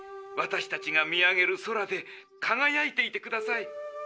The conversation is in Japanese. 私たちが見上げる空でかがやいていてください。